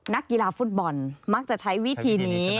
นักกีฬาฟุตบอลมักจะใช้วิธีนี้